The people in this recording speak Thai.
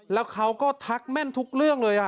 แล้วเขาก็ทักแม่นทุกเรื่องเลย